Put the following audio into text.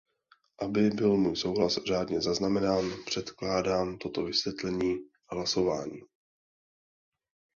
Aby byl můj souhlas řádně zaznamenán, předkládám toto vysvětlení hlasování.